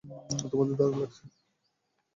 তোমাদের দারুণ লাগছে।